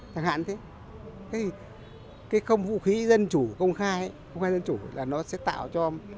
chẳng hạn thế cái không vũ khí dân chủ công khai không khai dân chủ là nó sẽ tạo cho